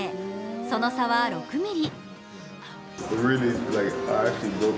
その差は６ｍｍ。